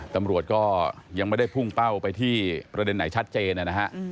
ตำรวจก็ยังไม่ได้พุ่งเป้าไปที่ประเด็นไหนชัดเจนนะฮะ